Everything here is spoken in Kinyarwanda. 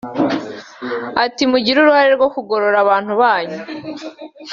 Agira ati “Mugire uruhare rwo kugorora abantu banyu